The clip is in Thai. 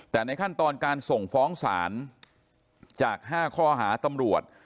แต่ในขั้นตอนการส่งฟ้องศาลจาก๕ข้อหาตำรวจ